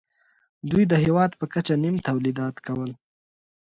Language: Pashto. دوی د هېواد په کچه نیم تولیدات کول